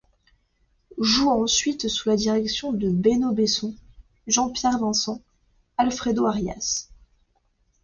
Joue ensuite sous la direction de Benno Besson, Jean-Pierre Vincent, Alfredo Arias...